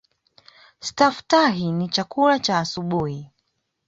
Staftahi ni chakula cha asubuhi.